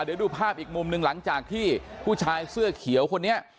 เดี๋ยวดูภาพอีกมุมหนึ่งหลังจากที่ผู้ชายเสื้อเขียวคนนี้